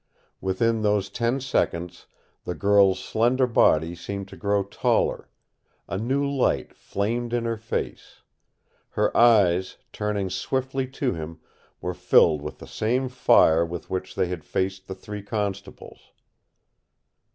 Within those ten seconds the girl's slender body seemed to grow taller; a new light flamed in her face; her eyes, turning swiftly to him, were filled with the same fire with which they had faced the three constables.